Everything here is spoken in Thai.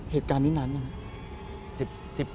เหตุการณ์นี้นั้นอย่างไร